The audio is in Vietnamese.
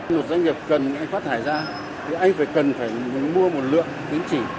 một doanh nghiệp cần phát thải ra thì anh phải cần phải mua một lượng tính trị